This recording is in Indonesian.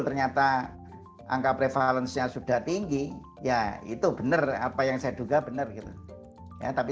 ternyata angka prevalensinya sudah tinggi ya itu benar apa yang saya duga benar gitu ya tapi